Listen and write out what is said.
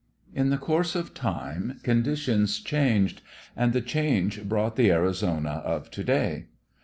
In the course of time conditions changed, and the change brought the Arizona of to day.